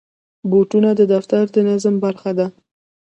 بوټونه د دفتر د نظم برخه ده.